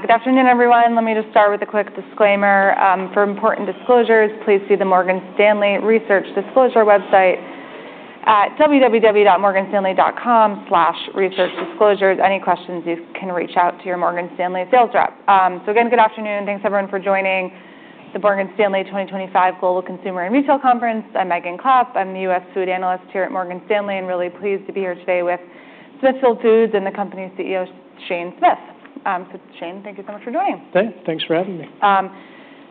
Good afternoon, everyone. Let me just start with a quick disclaimer. For important disclosures, please see the Morgan Stanley Research Disclosure website at www.morganstanley.com/researchdisclosures. Any questions, you can reach out to your Morgan Stanley sales rep. So again, good afternoon. Thanks, everyone, for joining the Morgan Stanley 2025 Global Consumer and Retail Conference. I'm Megan Clapp. I'm the U.S. food analyst here at Morgan Stanley and really pleased to be here today with Smithfield Foods and the company's CEO, Shane Smith. So Shane, thank you so much for joining. Thanks for having me.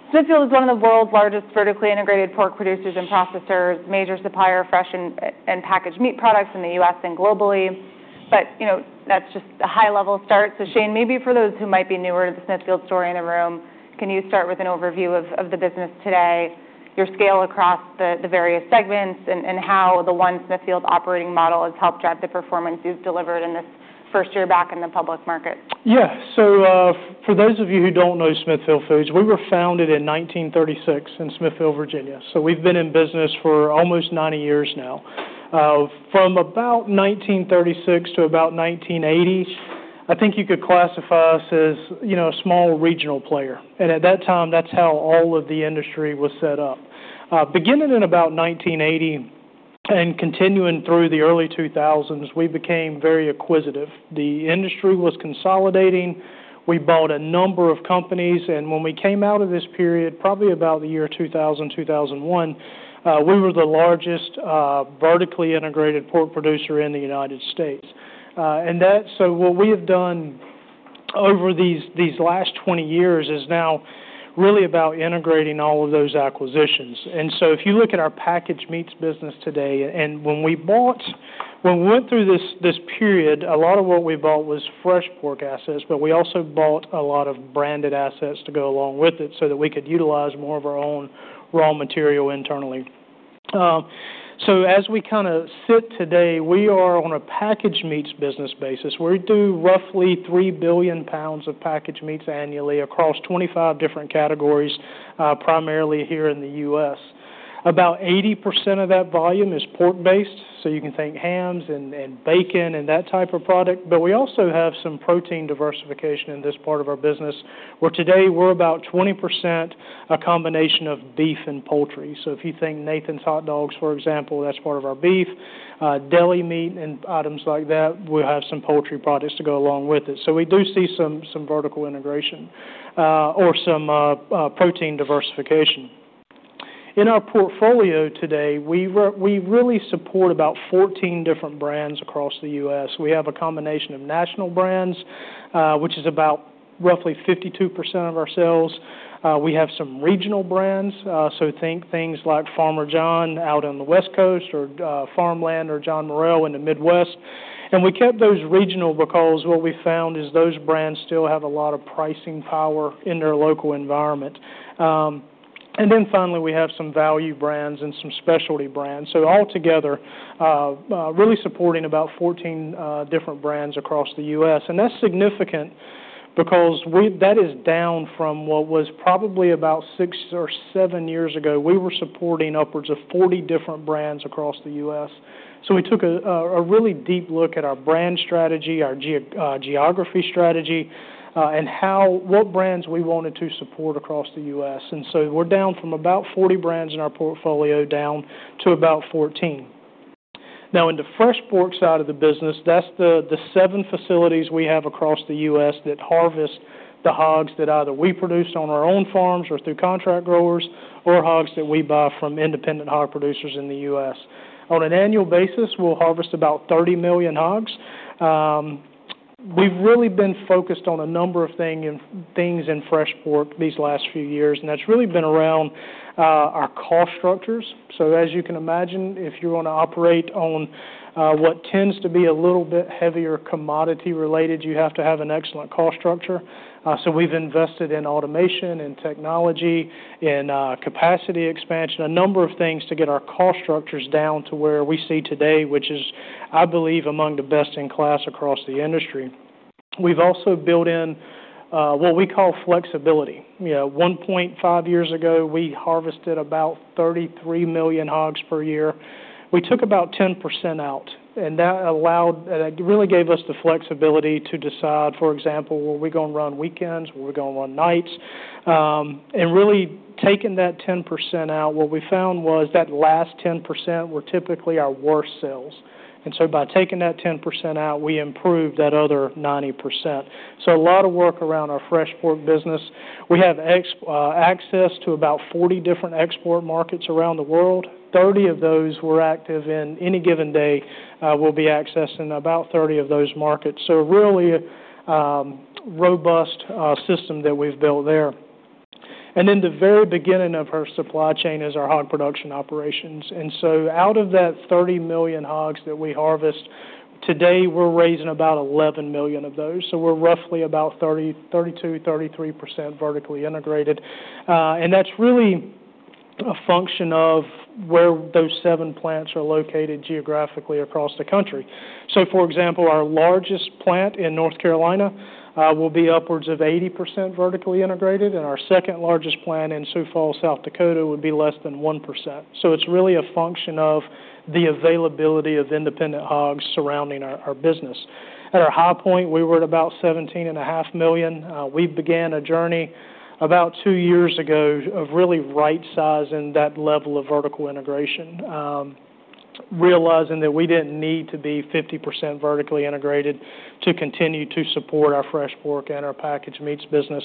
Smithfield is one of the world's largest vertically integrated pork producers and processors, major supplier of fresh and packaged meat products in the U.S. and globally. But that's just a high-level start. So Shane, maybe for those who might be newer to the Smithfield story in the room, can you start with an overview of the business today, your scale across the various segments, and how the one Smithfield operating model has helped drive the performance you've delivered in this first year back in the public market? Yeah. So for those of you who don't know Smithfield Foods, we were founded in 1936 in Smithfield, Virginia, so we've been in business for almost 90 years now. From about 1936 to about 1980, I think you could classify us as a small regional player, and at that time, that's how all of the industry was set up. Beginning in about 1980 and continuing through the early 2000s, we became very acquisitive. The industry was consolidating. We bought a number of companies, and when we came out of this period, probably about the year 2000-2001, we were the largest vertically integrated pork producer in the United States, and so what we have done over these last 20 years is now really about integrating all of those acquisitions. And so if you look at our packaged meats business today, and when we bought, when we went through this period, a lot of what we bought was fresh pork assets, but we also bought a lot of branded assets to go along with it so that we could utilize more of our own raw material internally. So as we kind of sit today, we are on a packaged meats business basis. We do roughly 3 billion pounds of packaged meats annually across 25 different categories, primarily here in the U.S. About 80% of that volume is pork-based. So you can think hams and bacon and that type of product. But we also have some protein diversification in this part of our business, where today we're about 20% a combination of beef and poultry. So if you think Nathan's hot dogs, for example, that's part of our beef, deli meat, and items like that, we have some poultry products to go along with it. So we do see some vertical integration or some protein diversification. In our portfolio today, we really support about 14 different brands across the U.S. We have a combination of national brands, which is about roughly 52% of our sales. We have some regional brands, so think things like Farmer John out on the West Coast or Farmland or John Morrell in the Midwest. And we kept those regional because what we found is those brands still have a lot of pricing power in their local environment. And then finally, we have some value brands and some specialty brands. So altogether, really supporting about 14 different brands across the U.S.. That's significant because that is down from what was probably about six or seven years ago. We were supporting upwards of 40 different brands across the U.S.. We took a really deep look at our brand strategy, our geography strategy, and what brands we wanted to support across the U.S.. We're down from about 40 brands in our portfolio down to about 14. Now, in the fresh pork side of the business, that's the seven facilities we have across the U.S. that harvest the hogs that either we produce on our own farms or through contract growers or hogs that we buy from independent hog producers in the U.S.. On an annual basis, we'll harvest about 30 million hogs. We've really been focused on a number of things in fresh pork these last few years, and that's really been around our cost structures. So as you can imagine, if you're going to operate on what tends to be a little bit heavier commodity-related, you have to have an excellent cost structure. So we've invested in automation and technology and capacity expansion, a number of things to get our cost structures down to where we see today, which is, I believe, among the best in class across the industry. We've also built in what we call flexibility. 1.5 years ago, we harvested about 33 million hogs per year. We took about 10% out, and that really gave us the flexibility to decide, for example, were we going to run weekends? Were we going to run nights? And really taking that 10% out, what we found was that last 10% were typically our worst sales. And so by taking that 10% out, we improved that other 90%. So a lot of work around our fresh pork business. We have access to about 40 different export markets around the world. 30 of those we're active in any given day. We'll be accessing about 30 of those markets. So really a robust system that we've built there. And then the very beginning of our supply chain is our hog production operations. And so out of that 30 million hogs that we harvest, today we're raising about 11 million of those. So we're roughly about 32%-33% vertically integrated. And that's really a function of where those seven plants are located geographically across the country. So for example, our largest plant in North Carolina will be upwards of 80% vertically integrated, and our second largest plant in Sioux Falls, South Dakota, would be less than 1%. So it's really a function of the availability of independent hogs surrounding our business. At our high point, we were at about 17.5 million. We began a journey about two years ago of really right-sizing that level of vertical integration, realizing that we didn't need to be 50% vertically integrated to continue to support our fresh pork and our packaged meats business.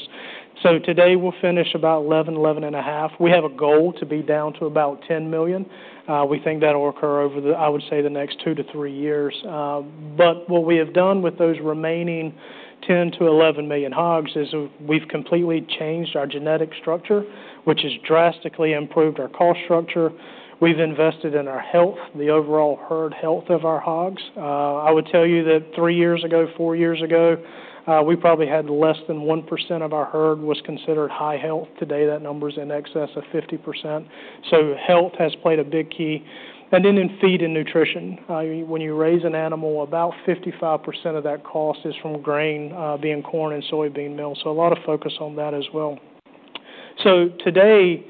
So today we'll finish about 11-11.5. We have a goal to be down to about 10 million. We think that'll occur over the, I would say, the next two to three years. But what we have done with those remaining 10-11 million hogs is we've completely changed our genetic structure, which has drastically improved our cost structure. We've invested in our health, the overall herd health of our hogs. I would tell you that three years ago, four years ago, we probably had less than 1% of our herd was considered high health. Today, that number is in excess of 50%, so health has played a big key, and then in feed and nutrition, when you raise an animal, about 55% of that cost is from grain, being corn and soybean meal, so a lot of focus on that as well, so today,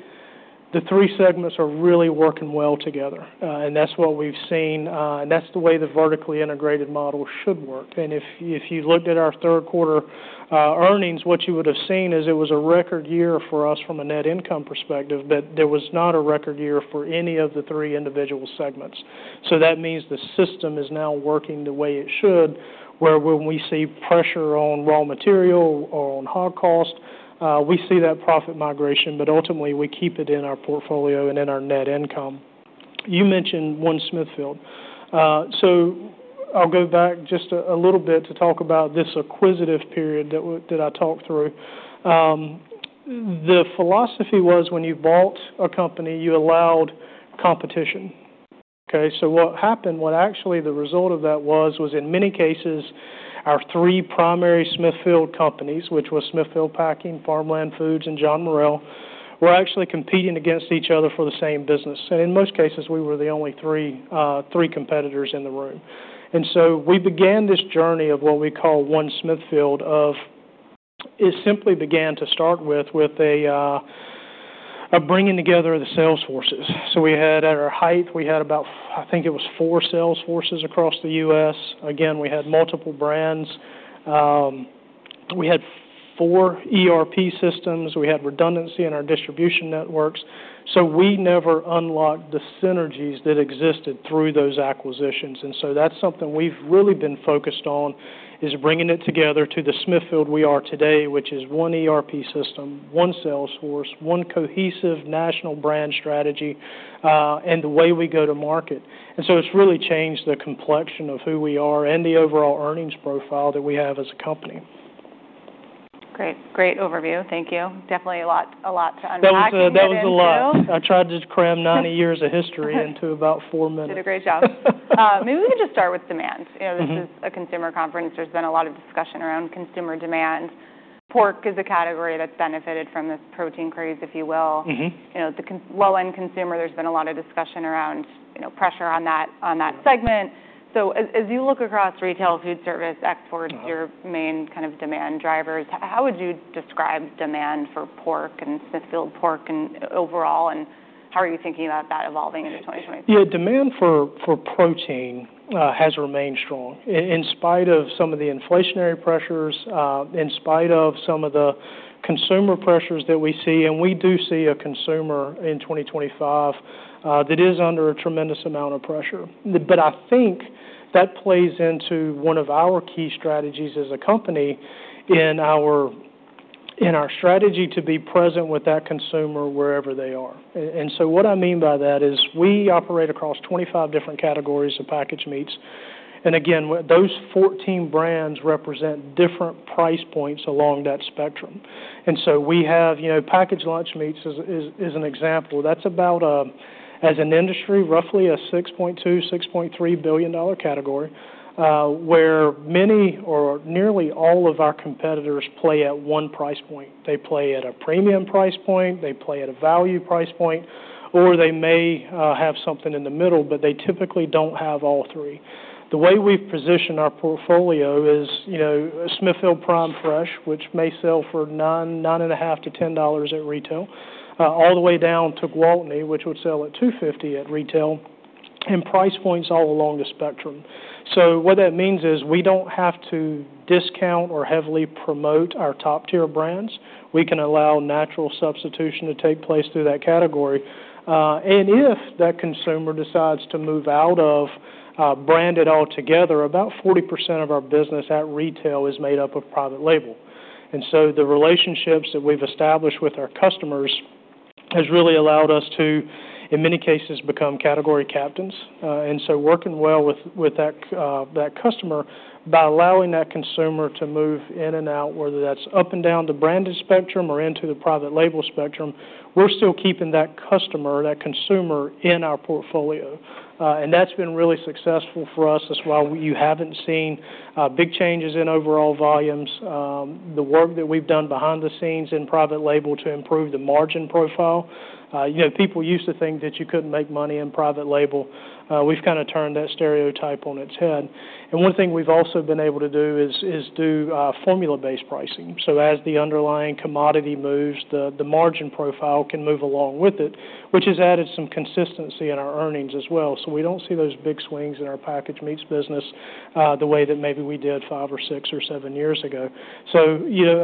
the three segments are really working well together, and that's what we've seen, and that's the way the vertically integrated model should work, and if you looked at our third quarter earnings, what you would have seen is it was a record year for us from a net income perspective, but there was not a record year for any of the three individual segments. So that means the system is now working the way it should, where when we see pressure on raw material or on hog cost, we see that profit migration, but ultimately we keep it in our portfolio and in our net income. You mentioned one Smithfield, so I'll go back just a little bit to talk about this acquisitive period that I talked through. The philosophy was when you bought a company, you allowed competition. Okay? So what happened, what actually the result of that was, in many cases, our three primary Smithfield companies, which were Smithfield Packing, Farmland Foods, and John Morrell, were actually competing against each other for the same business, and in most cases, we were the only three competitors in the room. We began this journey of what we call one Smithfield. It simply began to start with bringing together the sales forces. So we had at our height, we had about, I think it was four sales forces across the U.S.. Again, we had multiple brands. We had four ERP systems. We had redundancy in our distribution networks. So we never unlocked the synergies that existed through those acquisitions. And so that's something we've really been focused on, is bringing it together to the Smithfield we are today, which is one ERP system, one sales force, one cohesive national brand strategy, and the way we go to market. And so it's really changed the complexion of who we are and the overall earnings profile that we have as a company. Great. Great overview. Thank you. Definitely a lot to unpack. That was a lot. I tried to cram 90 years of history into about four minutes. You did a great job. Maybe we can just start with demand. This is a consumer conference. There's been a lot of discussion around consumer demand. Pork is a category that's benefited from this protein craze, if you will. The low-end consumer, there's been a lot of discussion around pressure on that segment. So as you look across retail, food service, exports, your main kind of demand drivers, how would you describe demand for pork and Smithfield pork overall, and how are you thinking about that evolving into 2023? Yeah. Demand for protein has remained strong in spite of some of the inflationary pressures, in spite of some of the consumer pressures that we see. And we do see a consumer in 2025 that is under a tremendous amount of pressure. But I think that plays into one of our key strategies as a company in our strategy to be present with that consumer wherever they are. And so what I mean by that is we operate across 25 different categories of packaged meats. And again, those 14 brands represent different price points along that spectrum. And so we have packaged lunch meats as an example. That's about, as an industry, roughly a $6.2-$6.3 billion category, where many or nearly all of our competitors play at one price point. They play at a premium price point. They play at a value price point, or they may have something in the middle, but they typically don't have all three. The way we've positioned our portfolio is Smithfield Prime Fresh, which may sell for $9, $9.5-$10 at retail, all the way down to Gwaltney, which would sell at $2.50 at retail, and price points all along the spectrum. So what that means is we don't have to discount or heavily promote our top-tier brands. We can allow natural substitution to take place through that category, and if that consumer decides to move out of branded altogether, about 40% of our business at retail is made up of private label, and so the relationships that we've established with our customers has really allowed us to, in many cases, become category captains. And so working well with that customer by allowing that consumer to move in and out, whether that's up and down the branded spectrum or into the private label spectrum, we're still keeping that customer, that consumer in our portfolio. And that's been really successful for us. That's why you haven't seen big changes in overall volumes. The work that we've done behind the scenes in private label to improve the margin profile. People used to think that you couldn't make money in private label. We've kind of turned that stereotype on its head. And one thing we've also been able to do is do formula-based pricing. So as the underlying commodity moves, the margin profile can move along with it, which has added some consistency in our earnings as well. So we don't see those big swings in our packaged meats business the way that maybe we did five or six or seven years ago. So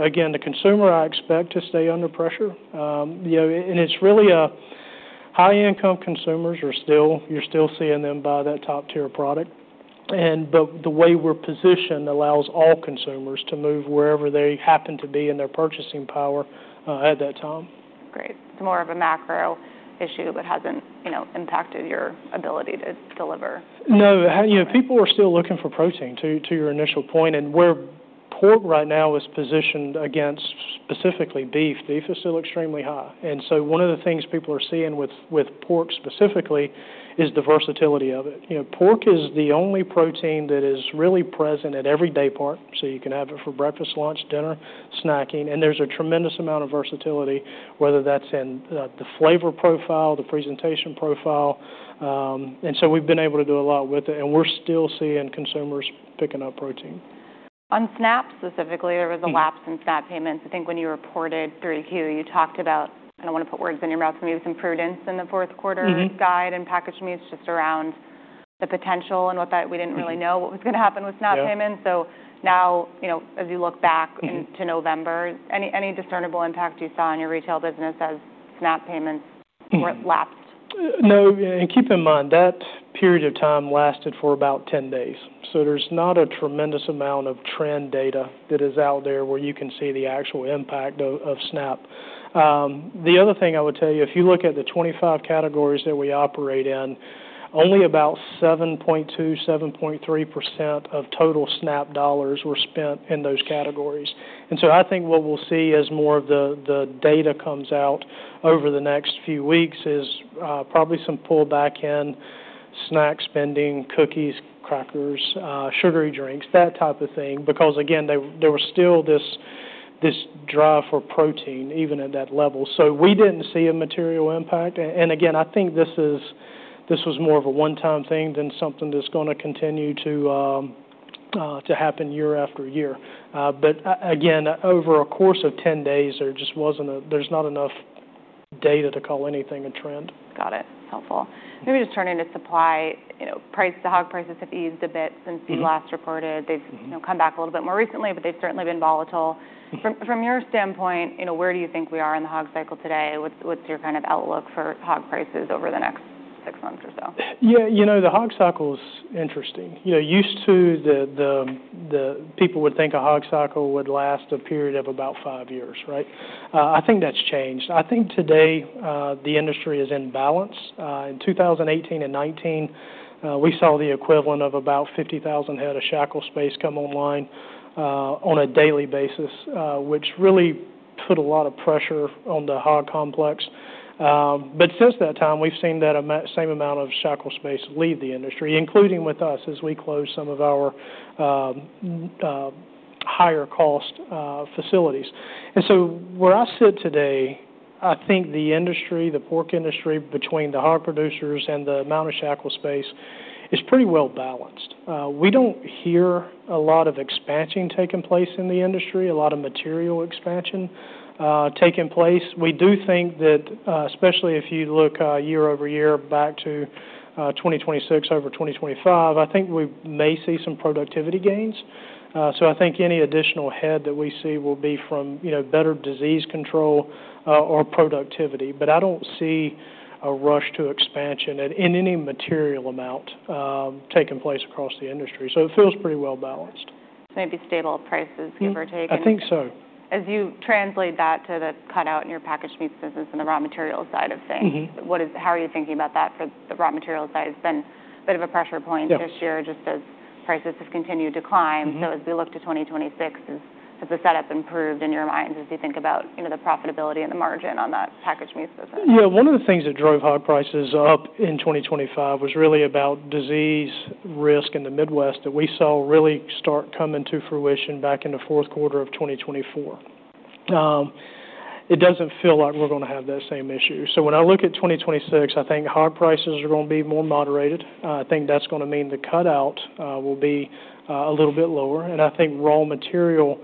again, the consumer, I expect, to stay under pressure. And it's really high-income consumers. You're still seeing them buy that top-tier product. But the way we're positioned allows all consumers to move wherever they happen to be in their purchasing power at that time. Great. It's more of a macro issue that hasn't impacted your ability to deliver. No. People are still looking for protein, to your initial point, and where pork right now is positioned against specifically beef, beef is still extremely high, and so one of the things people are seeing with pork specifically is the versatility of it. Pork is the only protein that is really present at every daypart, so you can have it for breakfast, lunch, dinner, snacking, and there's a tremendous amount of versatility, whether that's in the flavor profile, the presentation profile, and so we've been able to do a lot with it, and we're still seeing consumers picking up protein. On SNAP specifically, there was a lapse in SNAP payments. I think when you reported through Q, you talked about, and I don't want to put words in your mouth, maybe some prudence in the fourth quarter guide and packaged meats just around the potential and what that we didn't really know what was going to happen with SNAP payments. So now, as you look back into November, any discernible impact you saw in your retail business as SNAP payments lapsed? No. And keep in mind, that period of time lasted for about 10 days. So there's not a tremendous amount of trend data that is out there where you can see the actual impact of SNAP. The other thing I would tell you, if you look at the 25 categories that we operate in, only about 7.2%-7.3% of total SNAP dollars were spent in those categories. And so I think what we'll see as more of the data comes out over the next few weeks is probably some pullback in snack spending, cookies, crackers, sugary drinks, that type of thing, because again, there was still this drive for protein even at that level. So we didn't see a material impact. And again, I think this was more of a one-time thing than something that's going to continue to happen year after year. But again, over a course of 10 days, there's not enough data to call anything a trend. Got it. Helpful. Maybe just turning to supply. The hog prices have eased a bit since you last reported. They've come back a little bit more recently, but they've certainly been volatile. From your standpoint, where do you think we are in the hog cycle today? What's your kind of outlook for hog prices over the next six months or so? Yeah. You know, the hog cycle's interesting. Used to, the people would think a hog cycle would last a period of about five years, right? I think that's changed. I think today the industry is in balance. In 2018 and 2019, we saw the equivalent of about 50,000 head of shackle space come online on a daily basis, which really put a lot of pressure on the hog complex. But since that time, we've seen that same amount of shackle space leave the industry, including with us as we close some of our higher-cost facilities. And so where I sit today, I think the industry, the pork industry, between the hog producers and the amount of shackle space, is pretty well balanced. We don't hear a lot of expansion taking place in the industry, a lot of material expansion taking place. We do think that, especially if you look year-over-year back to 2026 over 2025, I think we may see some productivity gains. So I think any additional head that we see will be from better disease control or productivity. But I don't see a rush to expansion in any material amount taking place across the industry. So it feels pretty well balanced. Maybe stable prices, give or take. I think so. As you translate that to the cutout in your packaged meats business and the raw material side of things, how are you thinking about that for the raw material side? It's been a bit of a pressure point this year just as prices have continued to climb. So as we look to 2026, has the setup improved in your minds as you think about the profitability and the margin on that packaged meats business? Yeah. One of the things that drove hog prices up in 2025 was really about disease risk in the Midwest that we saw really start coming to fruition back in the fourth quarter of 2024. It doesn't feel like we're going to have that same issue. So when I look at 2026, I think hog prices are going to be more moderated. I think that's going to mean the cutout will be a little bit lower. And I think raw material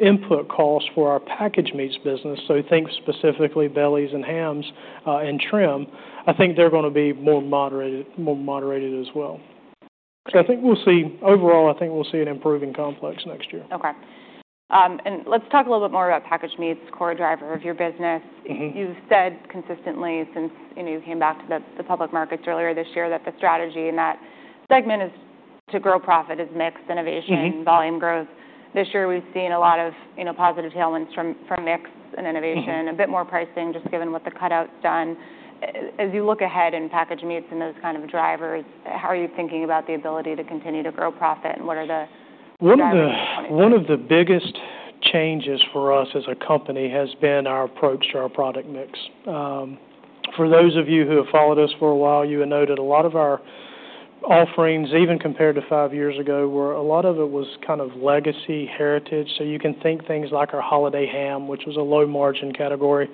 input costs for our packaged meats business, so think specifically bellies and hams and trim, I think they're going to be more moderated as well. So I think we'll see overall, I think we'll see an improving complex next year. Okay, and let's talk a little bit more about packaged meats, core driver of your business. You've said consistently since you came back to the public markets earlier this year that the strategy in that segment is to grow profit as mixed innovation and volume growth. This year, we've seen a lot of positive tailwinds from mixed and innovation, a bit more pricing just given what the cutout's done. As you look ahead in packaged meats and those kind of drivers, how are you thinking about the ability to continue to grow profit and what are the next 2020s? One of the biggest changes for us as a company has been our approach to our product mix. For those of you who have followed us for a while, you had noted a lot of our offerings, even compared to five years ago, where a lot of it was kind of legacy, heritage. So you can think things like our Holiday ham, which was a low-margin category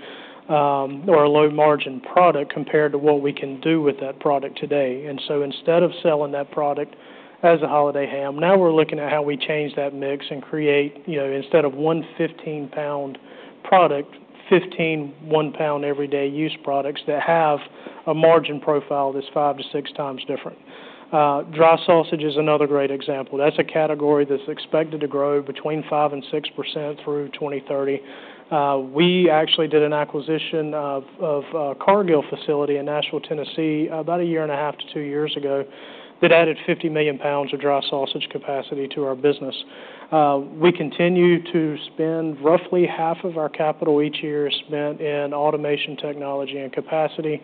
or a low-margin product compared to what we can do with that product today. And so instead of selling that product as a Holiday ham, now we're looking at how we change that mix and create, instead of one 15-pound product, 15 one-pound everyday use products that have a margin profile that's five to six times different. Dry sausage is another great example. That's a category that's expected to grow between 5% and 6% through 2030. We actually did an acquisition of a Cargill facility in Nashville, Tennessee, about a year and a half to two years ago that added 50 million pounds of dry sausage capacity to our business. We continue to spend roughly half of our capital each year spent in automation technology and capacity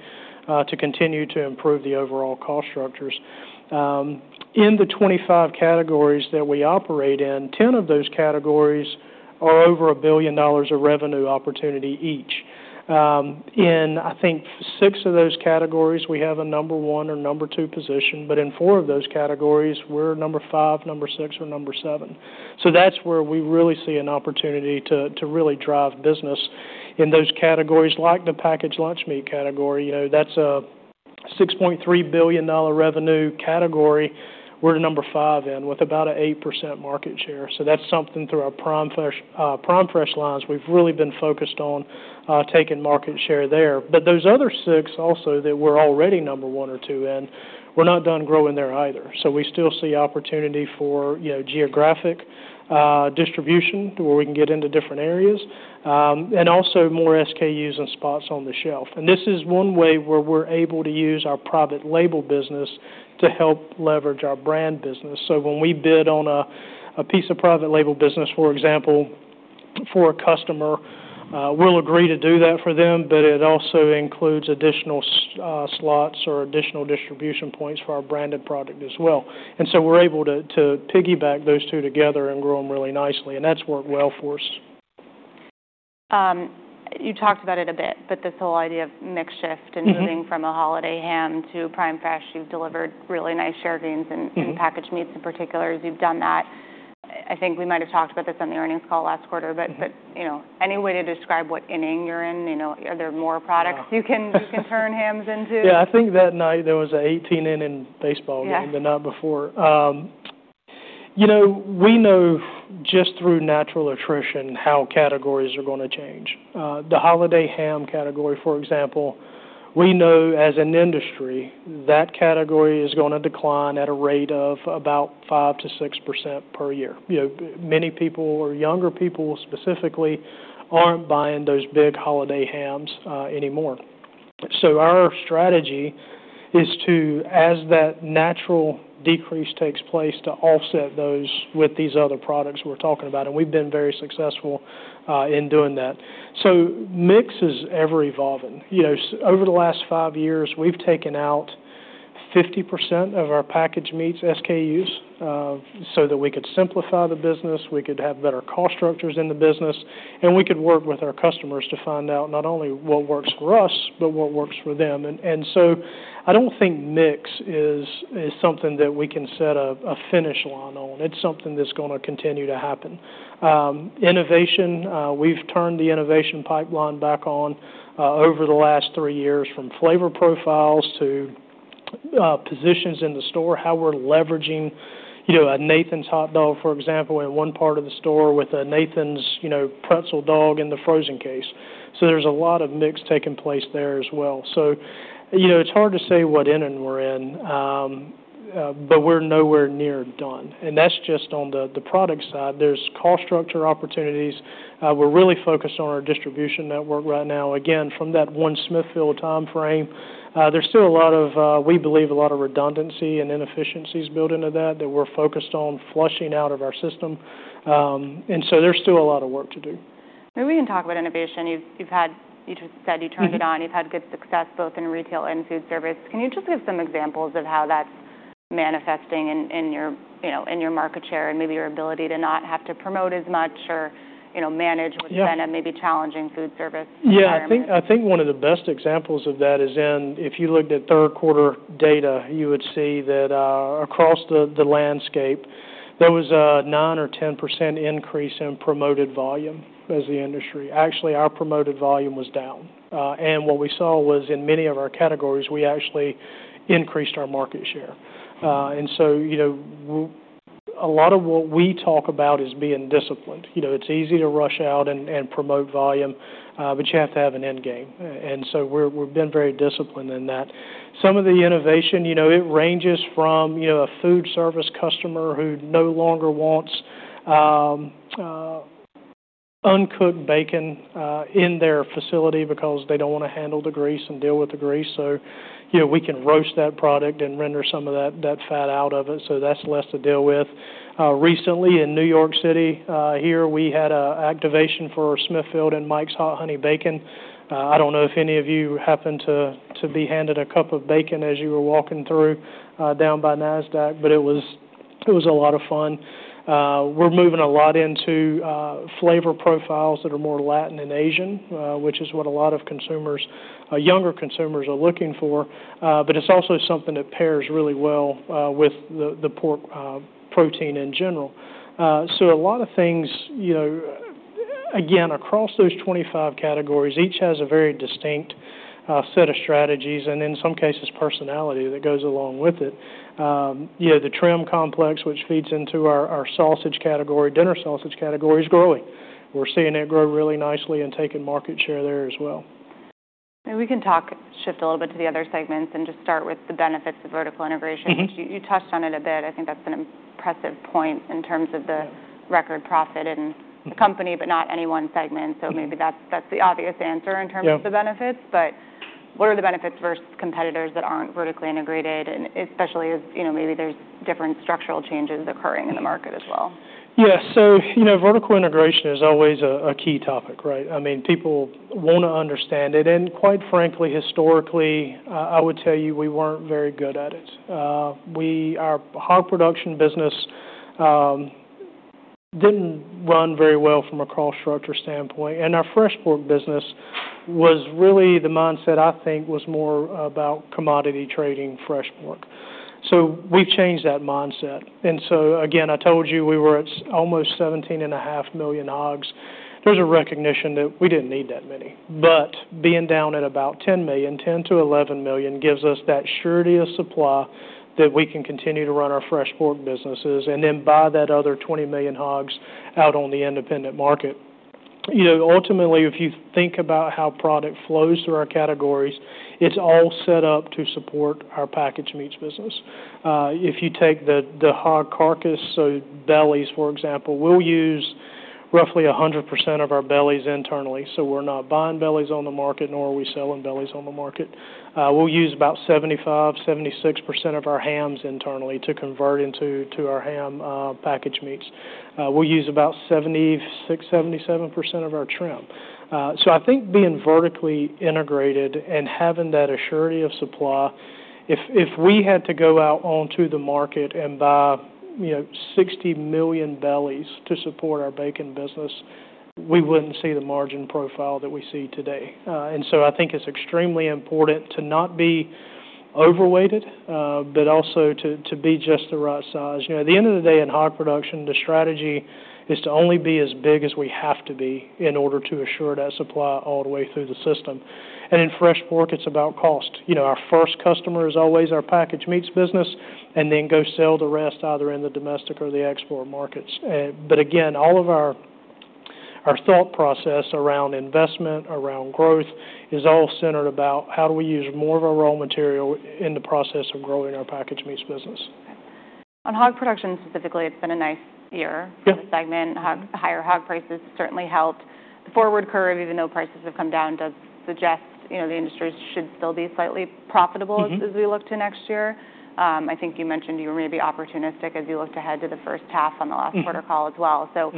to continue to improve the overall cost structures. In the 25 categories that we operate in, 10 of those categories are over a billion dollars of revenue opportunity each. In, I think, six of those categories, we have a number one or number two position. But in four of those categories, we're number five, number six, or number seven. So that's where we really see an opportunity to really drive business in those categories like the packaged lunch meat category. That's a $6.3 billion revenue category. We're number five in with about an 8% market share. So that's something through our Prime Fresh lines, we've really been focused on taking market share there. But those other six also that we're already number one or two in, we're not done growing there either. So we still see opportunity for geographic distribution to where we can get into different areas and also more SKUs and spots on the shelf. And this is one way where we're able to use our private label business to help leverage our brand business. So when we bid on a piece of private label business, for example, for a customer, we'll agree to do that for them, but it also includes additional slots or additional distribution points for our branded product as well. And so we're able to piggyback those two together and grow them really nicely. And that's worked well for us. You talked about it a bit, but this whole idea of mixed shift and moving from a holiday ham to Prime Fresh, you've delivered really nice share gains in packaged meats in particular as you've done that. I think we might have talked about this on the earnings call last quarter, but any way to describe what inning you're in? Are there more products you can turn hams into? Yeah. I think that night there was an 18-inning baseball game, the night before. We know just through natural attrition how categories are going to change. The holiday ham category, for example, we know as an industry that category is going to decline at a rate of about 5%-6% per year. Many people, or younger people specifically, aren't buying those big holiday hams anymore. So our strategy is to, as that natural decrease takes place, to offset those with these other products we're talking about. And we've been very successful in doing that. So mix is ever-evolving. Over the last five years, we've taken out 50% of our packaged meats, SKUs, so that we could simplify the business, we could have better cost structures in the business, and we could work with our customers to find out not only what works for us, but what works for them. And so I don't think mix is something that we can set a finish line on. It's something that's going to continue to happen. Innovation, we've turned the innovation pipeline back on over the last three years from flavor profiles to positions in the store, how we're leveraging a Nathan's hot dog, for example, in one part of the store with a Nathan's pretzel dog in the frozen case. So there's a lot of mix taking place there as well. So it's hard to say what inning we're in, but we're nowhere near done. And that's just on the product side. There's cost structure opportunities. We're really focused on our distribution network right now. Again, from that one Smithfield time frame, there's still a lot of, we believe, a lot of redundancy and inefficiencies built into that that we're focused on flushing out of our system. And so there's still a lot of work to do. Maybe we can talk about innovation. You've had, you said you turned it on. You've had good success both in retail and food service. Can you just give some examples of how that's manifesting in your market share and maybe your ability to not have to promote as much or manage what's been a maybe challenging food service environment? Yeah. I think one of the best examples of that is if you looked at third quarter data, you would see that across the landscape, there was a 9% or 10% increase in promoted volume as the industry. Actually, our promoted volume was down, and what we saw was in many of our categories, we actually increased our market share, and so a lot of what we talk about is being disciplined. It's easy to rush out and promote volume, but you have to have an end game, and so we've been very disciplined in that. Some of the innovation, it ranges from a food service customer who no longer wants uncooked bacon in their facility because they don't want to handle the grease and deal with the grease. So we can roast that product and render some of that fat out of it. So that's less to deal with. Recently, in New York City, here, we had an activation for Smithfield and Mike's Hot Honey Bacon. I don't know if any of you happened to be handed a cup of bacon as you were walking through down by Nasdaq, but it was a lot of fun. We're moving a lot into flavor profiles that are more Latin and Asian, which is what a lot of consumers, younger consumers, are looking for. But it's also something that pairs really well with the pork protein in general. So a lot of things, again, across those 25 categories, each has a very distinct set of strategies and, in some cases, personality that goes along with it. The trim complex, which feeds into our sausage category, dinner sausage category is growing. We're seeing it grow really nicely and taking market share there as well. Maybe we can talk, shift a little bit to the other segments and just start with the benefits of vertical integration, which you touched on it a bit. I think that's an impressive point in terms of the record profit in the company, but not any one segment. So maybe that's the obvious answer in terms of the benefits. But what are the benefits versus competitors that aren't vertically integrated, especially as maybe there's different structural changes occurring in the market as well? Yeah. So vertical integration is always a key topic, right? I mean, people want to understand it, and quite frankly, historically, I would tell you we weren't very good at it. Our hog production business didn't run very well from a cost structure standpoint, and our fresh pork business was really the mindset, I think, was more about commodity trading fresh pork, so we've changed that mindset, and so again, I told you we were at almost 17.5 million hogs. There's a recognition that we didn't need that many, but being down at about 10 million, 10-11 million gives us that surety of supply that we can continue to run our fresh pork businesses and then buy that other 20 million hogs out on the independent market. Ultimately, if you think about how product flows through our categories, it's all set up to support our packaged meats business. If you take the hog carcass, so bellies, for example, we'll use roughly 100% of our bellies internally, so we're not buying bellies on the market, nor are we selling bellies on the market. We'll use about 75%-76% of our hams internally to convert into our ham packaged meats. We'll use about 76%-77% of our trim, so I think being vertically integrated and having that assurance of supply, if we had to go out onto the market and buy 60 million bellies to support our bacon business, we wouldn't see the margin profile that we see today, and so I think it's extremely important to not be overweighted, but also to be just the right size. At the end of the day, in hog production, the strategy is to only be as big as we have to be in order to assure that supply all the way through the system, and in fresh pork, it's about cost. Our first customer is always our packaged meats business and then go sell the rest either in the domestic or the export markets, but again, all of our thought process around investment, around growth, is all centered about how do we use more of our raw material in the process of growing our packaged meats business. On hog production specifically, it's been a nice year in the segment. Higher hog prices certainly helped. The forward curve, even though prices have come down, does suggest the industry should still be slightly profitable as we look to next year. I think you mentioned you were maybe opportunistic as you looked ahead to the first half on the last quarter call as well. So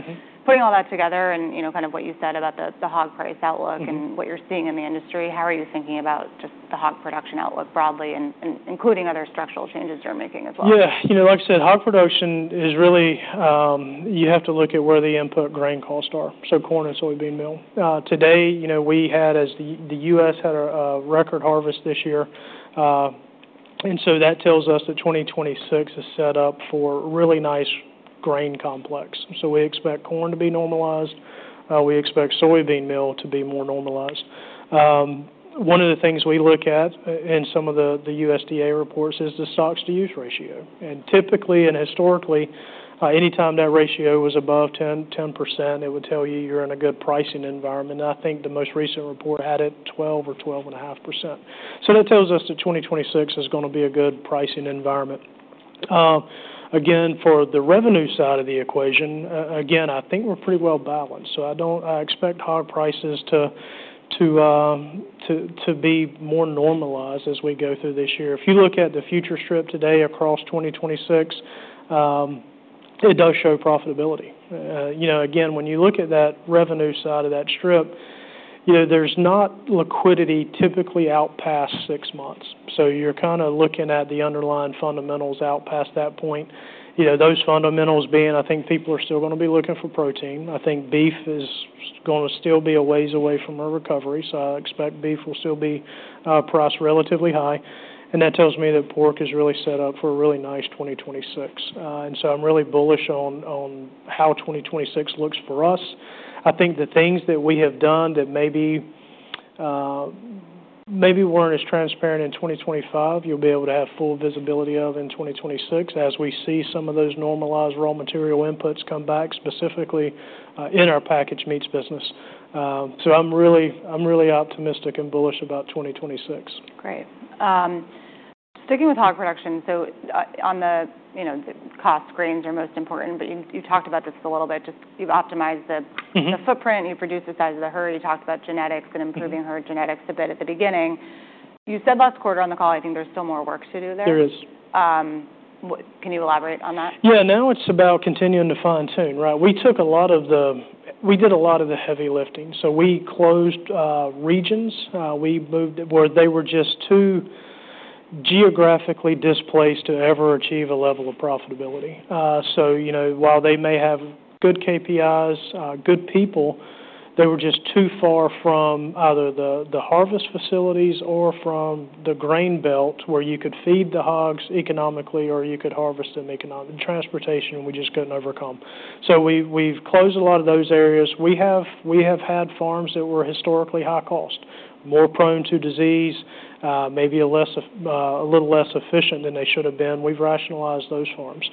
putting all that together and kind of what you said about the hog price outlook and what you're seeing in the industry, how are you thinking about just the hog production outlook broadly, including other structural changes you're making as well? Yeah. Like I said, hog production is really you have to look at where the input grain costs are. So corn and soybean meal. Today, we had, as the U.S. had a record harvest this year. That tells us that 2026 is set up for really nice grain complex. We expect corn to be normalized. We expect soybean meal to be more normalized. One of the things we look at in some of the USDA reports is the stocks-to-use ratio. Typically and historically, anytime that ratio was above 10%, it would tell you you're in a good pricing environment. I think the most recent report had it 12% or 12.5%. That tells us that 2026 is going to be a good pricing environment. For the revenue side of the equation, I think we're pretty well balanced. So I expect hog prices to be more normalized as we go through this year. If you look at the future strip today across 2026, it does show profitability. Again, when you look at that revenue side of that strip, there's not liquidity typically out past six months. So you're kind of looking at the underlying fundamentals out past that point. Those fundamentals being, I think people are still going to be looking for protein. I think beef is going to still be a ways away from a recovery. So I expect beef will still be priced relatively high. And that tells me that pork is really set up for a really nice 2026. And so I'm really bullish on how 2026 looks for us. I think the things that we have done that maybe weren't as transparent in 2025, you'll be able to have full visibility of in 2026 as we see some of those normalized raw material inputs come back specifically in our packaged meats business. So I'm really optimistic and bullish about 2026. Great. Sticking with hog production, so on the cost, grains are most important, but you talked about this a little bit. Just you've optimized the footprint, you've reduced the size of the herd. You talked about genetics and improving herd genetics a bit at the beginning. You said last quarter on the call, I think there's still more work to do there. There is. Can you elaborate on that? Yeah. Now it's about continuing to fine-tune, right? We did a lot of the heavy lifting. So we closed regions. We moved where they were just too geographically displaced to ever achieve a level of profitability. So while they may have good KPIs, good people, they were just too far from either the harvest facilities or from the grain belt where you could feed the hogs economically or you could harvest them economically. Transportation, we just couldn't overcome. So we've closed a lot of those areas. We have had farms that were historically high cost, more prone to disease, maybe a little less efficient than they should have been. We've rationalized those farms,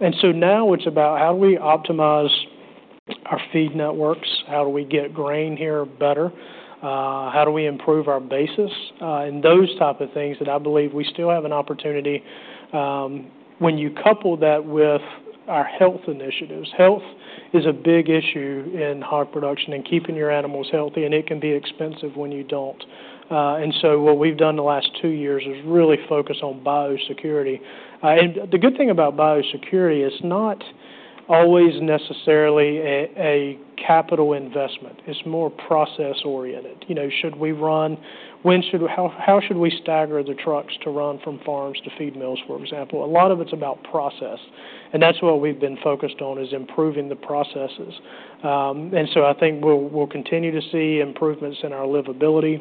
and so now it's about how do we optimize our feed networks? How do we get grain here better? How do we improve our basis? And those types of things that I believe we still have an opportunity when you couple that with our health initiatives. Health is a big issue in hog production and keeping your animals healthy, and it can be expensive when you don't. And so what we've done the last two years is really focus on biosecurity. And the good thing about biosecurity, it's not always necessarily a capital investment. It's more process-oriented. Should we run? How should we stagger the trucks to run from farms to feed mills, for example? A lot of it's about process. And that's what we've been focused on, is improving the processes. And so I think we'll continue to see improvements in our livability,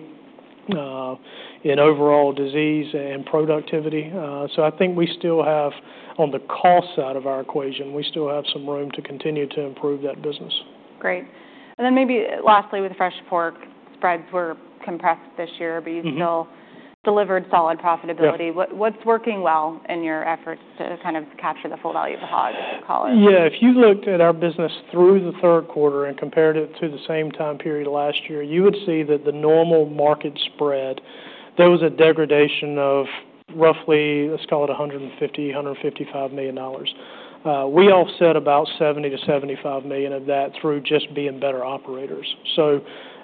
in overall disease and productivity. So I think we still have, on the cost side of our equation, we still have some room to continue to improve that business. Great. And then maybe lastly, with fresh pork, spreads were compressed this year, but you still delivered solid profitability. What's working well in your efforts to kind of capture the full value of the hog, if you call it? Yeah. If you looked at our business through the third quarter and compared it to the same time period last year, you would see that the normal market spread, there was a degradation of roughly, let's call it $150 million-$155 million. We offset about $70 million-$75 million of that through just being better operators. So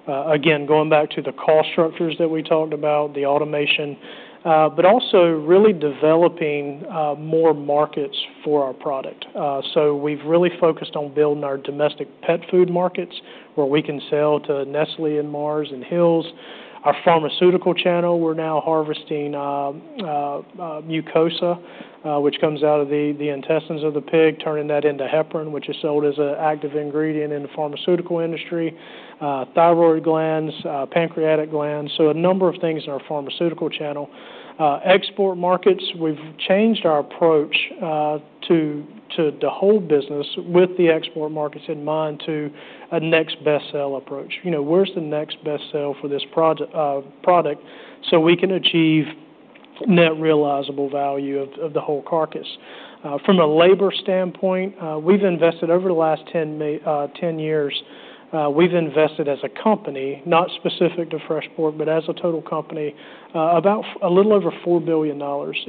again, going back to the cost structures that we talked about, the automation, but also really developing more markets for our product. So we've really focused on building our domestic pet food markets where we can sell to Nestlé and Mars and Hill's. Our pharmaceutical channel, we're now harvesting mucosa, which comes out of the intestines of the pig, turning that into heparin, which is sold as an active ingredient in the pharmaceutical industry, thyroid glands, pancreatic glands. So a number of things in our pharmaceutical channel. Export markets, we've changed our approach to the whole business with the export markets in mind to a next best sell approach. Where's the next best sell for this product so we can achieve net realizable value of the whole carcass? From a labor standpoint, we've invested over the last 10 years, we've invested as a company, not specific to fresh pork, but as a total company, about a little over $4 billion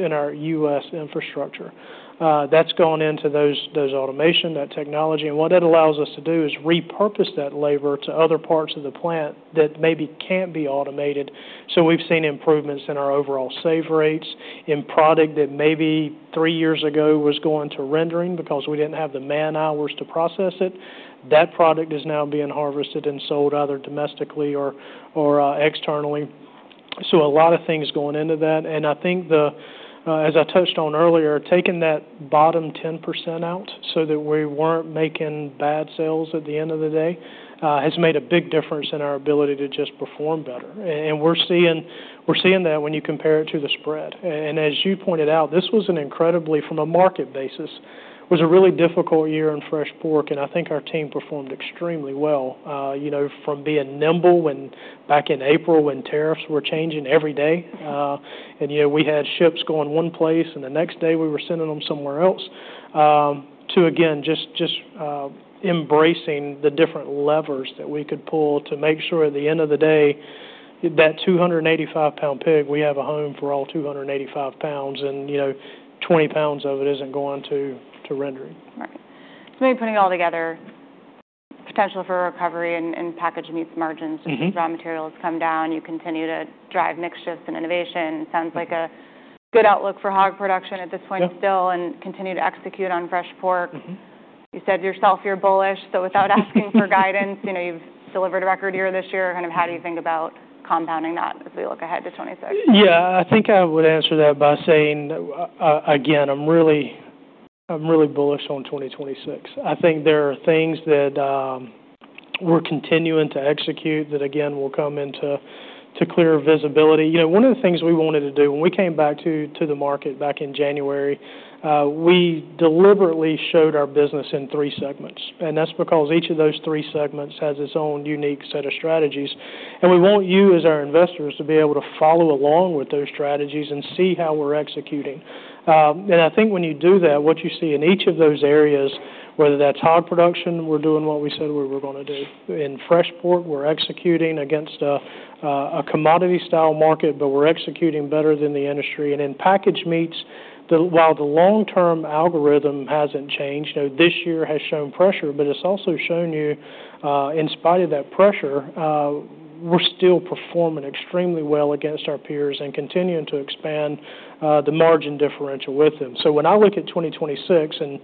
in our U.S. infrastructure. That's gone into those automation, that technology. And what that allows us to do is repurpose that labor to other parts of the plant that maybe can't be automated. So we've seen improvements in our overall save rates in product that maybe three years ago was going to rendering because we didn't have the man hours to process it. That product is now being harvested and sold either domestically or externally. So a lot of things going into that. And I think, as I touched on earlier, taking that bottom 10% out so that we weren't making bad sales at the end of the day has made a big difference in our ability to just perform better. And we're seeing that when you compare it to the spread. And as you pointed out, this was an incredibly, from a market basis, was a really difficult year in fresh pork. And I think our team performed extremely well from being nimble back in April when tariffs were changing every day. We had ships going one place and the next day we were sending them somewhere else to, again, just embracing the different levers that we could pull to make sure at the end of the day, that 285-pound pig, we have a home for all 285 pounds and 20 pounds of it isn't going to rendering. Right. So maybe putting it all together, potential for recovery in packaged meats margins, just as raw materials come down, you continue to drive mixed shifts and innovation. Sounds like a good outlook for hog production at this point still and continue to execute on fresh pork. You said yourself you're bullish. So without asking for guidance, you've delivered a record year this year. Kind of how do you think about compounding that as we look ahead to 2026? Yeah. I think I would answer that by saying, again, I'm really bullish on 2026. I think there are things that we're continuing to execute that, again, will come into clear visibility. One of the things we wanted to do when we came back to the market back in January, we deliberately showed our business in three segments, and that's because each of those three segments has its own unique set of strategies, and we want you as our investors to be able to follow along with those strategies and see how we're executing, and I think when you do that, what you see in each of those areas, whether that's hog production, we're doing what we said we were going to do. In fresh pork, we're executing against a commodity-style market, but we're executing better than the industry. In packaged meats, while the long-term algorithm hasn't changed, this year has shown pressure, but it's also shown you, in spite of that pressure, we're still performing extremely well against our peers and continuing to expand the margin differential with them. When I look at 2026 and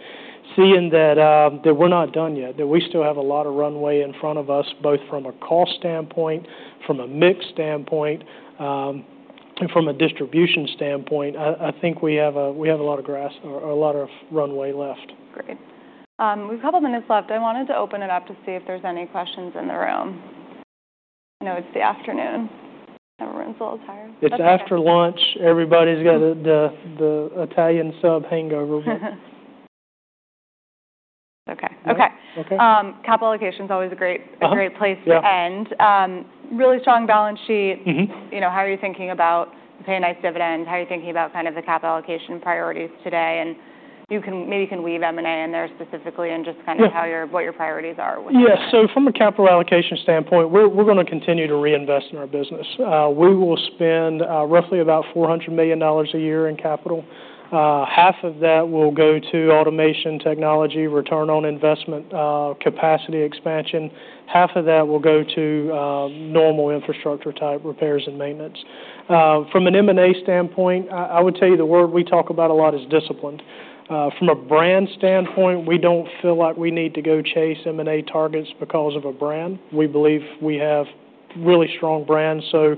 seeing that we're not done yet, that we still have a lot of runway in front of us, both from a cost standpoint, from a mix standpoint, and from a distribution standpoint, I think we have a lot of grass, a lot of runway left. Great. We have a couple of minutes left. I wanted to open it up to see if there's any questions in the room. I know it's the afternoon. Everyone's a little tired. It's after lunch. Everybody's got the Italian sub hangover. Okay. Okay. Capital allocation is always a great place to end. Really strong balance sheet. How are you thinking about paying a nice dividend? How are you thinking about kind of the capital allocation priorities today? And maybe you can weave M&A in there specifically and just kind of what your priorities are. Yeah. So from a capital allocation standpoint, we're going to continue to reinvest in our business. We will spend roughly about $400 million a year in capital. $200 million of that will go to automation, technology, return on investment, capacity expansion. $200 million of that will go to normal infrastructure type repairs and maintenance. From an M&A standpoint, I would tell you the word we talk about a lot is discipline. From a brand standpoint, we don't feel like we need to go chase M&A targets because of a brand. We believe we have really strong brands. So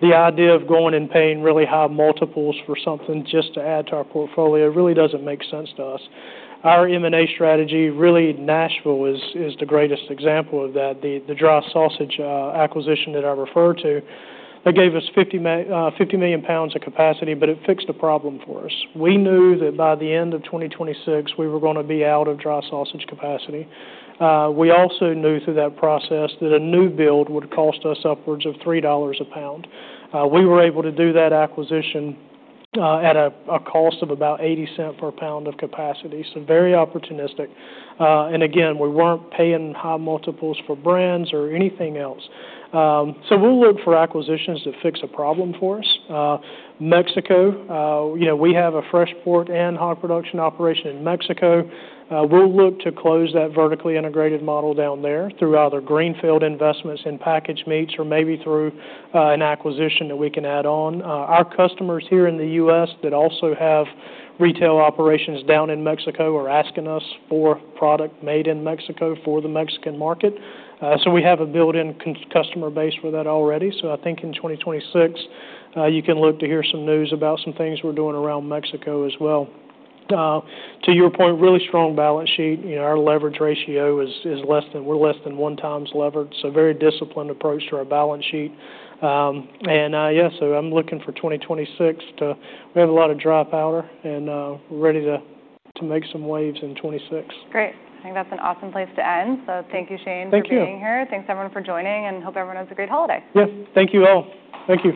the idea of going and paying really high multiples for something just to add to our portfolio really doesn't make sense to us. Our M&A strategy, really Nashville is the greatest example of that. The dry sausage acquisition that I referred to, it gave us 50 million pounds of capacity, but it fixed a problem for us. We knew that by the end of 2026, we were going to be out of dry sausage capacity. We also knew through that process that a new build would cost us upwards of $3 a pound. We were able to do that acquisition at a cost of about $0.80 per pound of capacity. So very opportunistic. And again, we weren't paying high multiples for brands or anything else. So we'll look for acquisitions that fix a problem for us. Mexico, we have a fresh pork and hog production operation in Mexico. We'll look to close that vertically integrated model down there through either greenfield investments in packaged meats or maybe through an acquisition that we can add on. Our customers here in the U.S. that also have retail operations down in Mexico are asking us for product made in Mexico for the Mexican market. So we have a built-in customer base for that already. So I think in 2026, you can look to hear some news about some things we're doing around Mexico as well. To your point, really strong balance sheet. Our leverage ratio is less than one times levered. So very disciplined approach to our balance sheet. And yeah, so I'm looking for 2026 to we have a lot of dry powder and we're ready to make some waves in 2026. Great. I think that's an awesome place to end. So thank you, Shane, for being here. Thank you. Thanks everyone for joining and hope everyone has a great holiday. Yeah. Thank you all. Thank you.